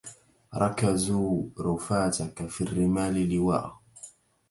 ركزوا رفاتك في الرمال لواء